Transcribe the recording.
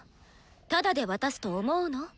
タダで渡すと思うの？